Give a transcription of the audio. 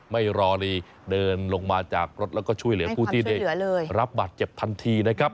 ไม่รอลีเดินลงมาจากรถแล้วก็ช่วยเหลือผู้ที่ได้รับบาดเจ็บทันทีนะครับ